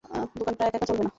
দোকানটা একা একা চলবে না।